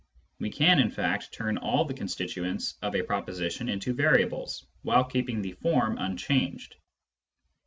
We can, in fact, turn all the constituents of a proposition into variables, while keeping the form unchanged.